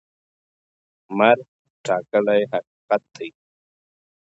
مرګ ټاکلی حقیقت دی.